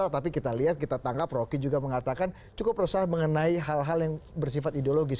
tapi kita lihat kita tangkap rocky juga mengatakan cukup resah mengenai hal hal yang bersifat ideologis